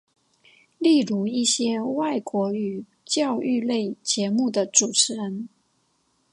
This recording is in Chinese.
例如一些外国语教育类节目的主持人。